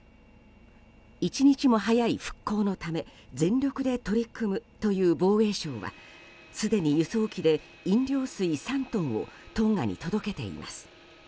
一日も早い復興のため全力で取り組むという防衛省はすでに輸送機で飲料水３トンをトンガに届けています。